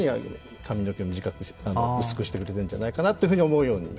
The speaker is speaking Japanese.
髪の毛薄くしてくれたんじゃないかと思うように。